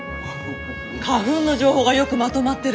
花粉の情報がよくまとまってる！